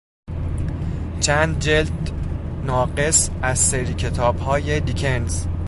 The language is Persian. چند جلد ناقص از سری کتابهای دیکنز